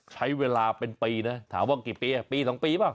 ใช้เวลาเป็นปีนะถามว่ากี่ปีปี๒ปีเปล่า